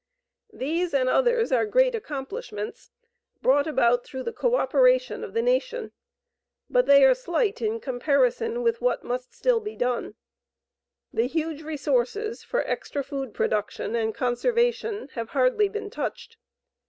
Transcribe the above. These and others are great accomplishments, brought about through the co operation of the nation, BUT THEY ARE SLIGHT IN COMPARISON WITH WHAT MUST STILL BE DONE. The huge resources for extra food production and conservation have hardly been touched.